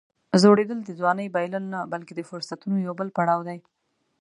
زوړېدل د ځوانۍ بایلل نه، بلکې د فرصتونو یو بل پړاو دی.